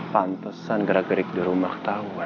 pantesan gerak gerik di rumah ketahuan